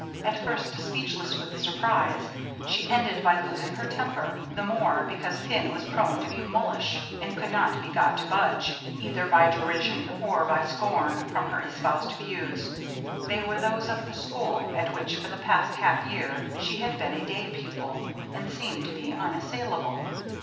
At first speechless with surprise, she ended by losing her temper; the more, because Pin was prone to be mulish, and could not be got to budge, either by derision or by scorn, from her espoused views. They were those of the school at which for the past half year she had been a day pupil, and seemed to her unassailable.